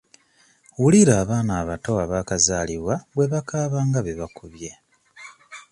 Wulira abaana abato abaakazalibwa bwe bakaaba nga be bakubye.